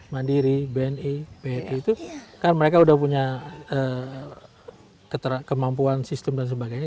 mandiri bni bni itu kan mereka sudah punya kemampuan sistem dan sebagainya